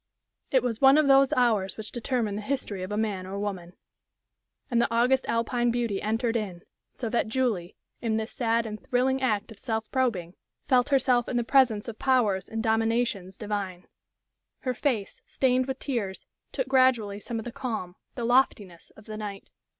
It was one of those hours which determine the history of a man or woman. And the august Alpine beauty entered in, so that Julie, in this sad and thrilling act of self probing, felt herself in the presence of powers and dominations divine. Her face, stained with tears, took gradually some of the calm, the loftiness of the night.